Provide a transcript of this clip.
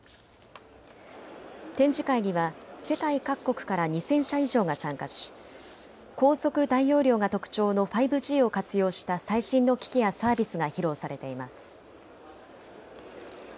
展示会には世界各国から２０００社以上が参加し高速・大容量が特徴の５Ｇを活用した最新の機器やサービスが披露されています。